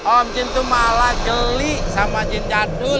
om jin tuh malah geli sama jin jadul